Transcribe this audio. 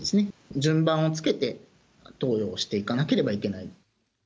順番をつけて、投与をしていかなければいけない。